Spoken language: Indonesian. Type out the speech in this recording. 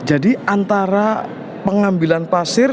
jadi antara pengambilan pasir